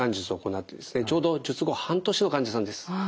ちょうど術後半年の患者さんです。